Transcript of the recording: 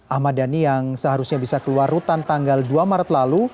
ahmad dhani yang seharusnya bisa keluar rutan tanggal dua maret lalu